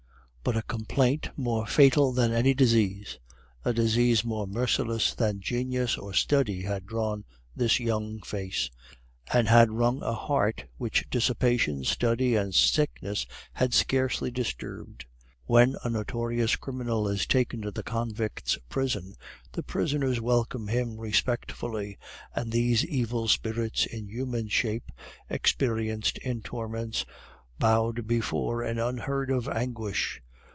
But a complaint more fatal than any disease, a disease more merciless than genius or study, had drawn this young face, and had wrung a heart which dissipation, study, and sickness had scarcely disturbed. When a notorious criminal is taken to the convict's prison, the prisoners welcome him respectfully, and these evil spirits in human shape, experienced in torments, bowed before an unheard of anguish.